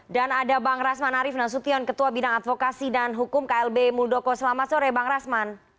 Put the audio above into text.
dan ada bang rasman arif nasution ketua bidang advokasi dan hukum klb muldoko selamat sore bang rasman